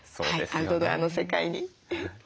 アウトドアの世界に。